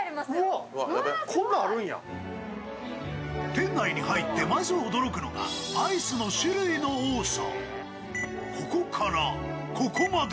店内に入って、まず驚くのはアイスの種類の多さ。